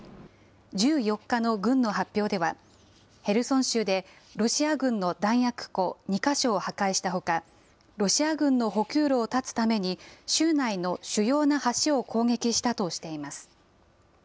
１４日の軍の発表では、ヘルソン州でロシア軍の弾薬庫２か所を破壊したほか、ロシア軍の補給路を断つために、州内の主要な橋を攻撃したとしています。